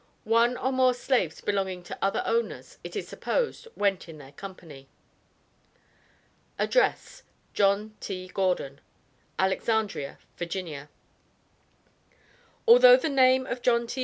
One or more slaves belonging to other owners, it is supposed, went in their company. Address: JOHN T. GORDON, Alexandria, Va. Although the name of John T.